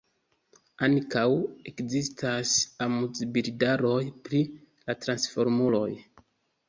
Ankaŭ ekzistas amuzbildaroj pri la Transformuloj.